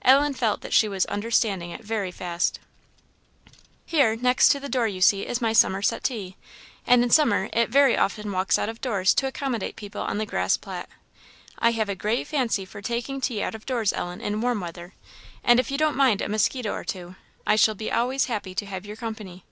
Ellen felt that she was understanding it very fast. "Here, next the door, you see, is my summer settee; and in summer it very often walks out of doors to accommodate people on the grass plat. I have a great fancy for taking tea out of doors, Ellen, in warm weather; and if you do not mind a musquito or two, I shall be always happy to have your company.